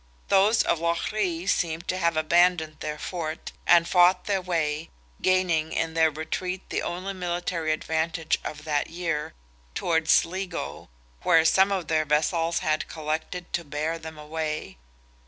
Those of Lough Ree seem to have abandoned their fort, and fought their way (gaining in their retreat the only military advantage of that year) towards Sligo, where some of their vessels had collected to bear them away.